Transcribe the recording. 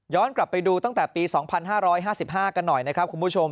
กลับไปดูตั้งแต่ปี๒๕๕๕กันหน่อยนะครับคุณผู้ชม